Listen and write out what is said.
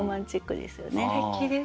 すてきです。